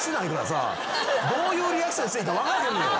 どういうリアクションしていいか分からへんのよ。